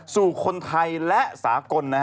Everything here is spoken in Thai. สู่คนไทยและสากล